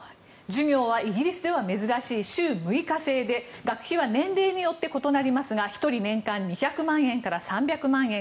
授業はイギリスでは珍しい週６日制で学費は年齢によって異なりますが１人、年間２００万円から３００万円。